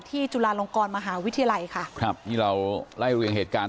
จุฬาลงกรมหาวิทยาลัยค่ะครับนี่เราไล่เรียงเหตุการณ์